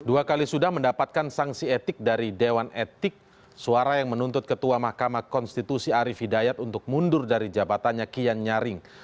dua kali sudah mendapatkan sanksi etik dari dewan etik suara yang menuntut ketua mahkamah konstitusi arief hidayat untuk mundur dari jabatannya kian nyaring